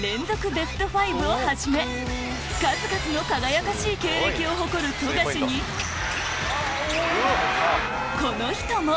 ベスト５をはじめ数々の輝かしい経歴を誇る富樫にこの人も！